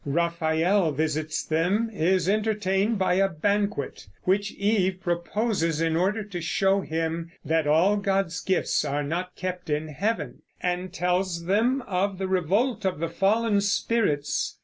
Raphael visits them, is entertained by a banquet (which Eve proposes in order to show him that all God's gifts are not kept in heaven), and tells them of the revolt of the fallen spirits.